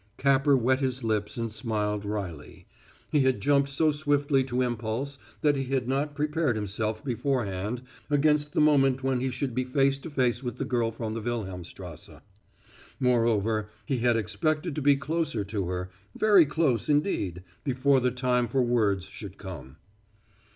Capper wet his lips and smiled wryly. He had jumped so swiftly to impulse that he had not prepared himself beforehand against the moment when he should be face to face with the girl from the Wilhelmstrasse. Moreover, he had expected to be closer to her very close indeed before the time for words should come.